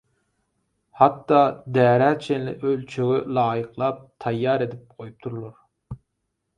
hatda därä çenli ölçege laýyklap taýýar edip goýupdyrlar.